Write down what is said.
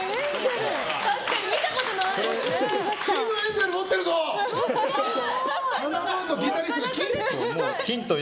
確かに見たことない。